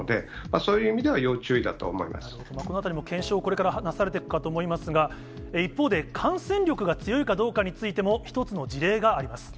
このあたりも検証、なされていくかと思いますが、一方で、感染力が強いかどうかについても１つの事例があります。